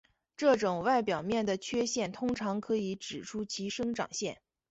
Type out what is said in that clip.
这种外表面的缺陷通常可以指出其生长线。